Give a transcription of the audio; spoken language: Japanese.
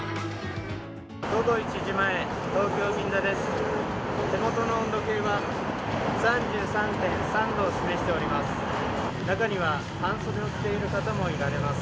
午後１時前、東京・銀座です。